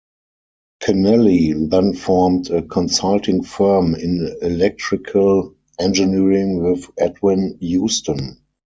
Kennelly then formed a consulting firm in electrical engineering with Edwin Houston.